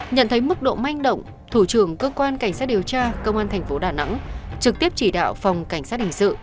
nhận thấy mức độ manh động thủ trưởng cơ quan cảnh sát điều tra công an thành phố đà nẵng trực tiếp chỉ đạo phòng cảnh sát hình sự